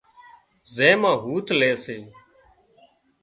زين مان هُوٿ لي سي